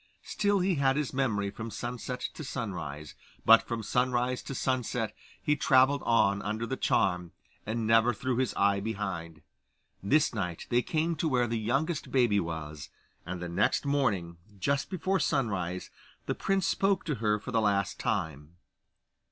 Still he had his memory from sunset to sunrise; but from sunrise to sunset he travelled on under the charm, and never threw his eye behind. This night they came to where the youngest baby was, and the next morning, just before sunrise, the prince spoke to her for the last time.